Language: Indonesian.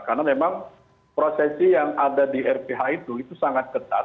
karena memang prosesi yang ada di rth itu sangat ketat